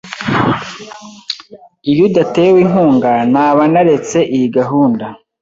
Iyo udatewe inkunga, naba naretse iyi gahunda.